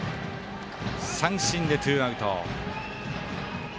三振でツーアウト。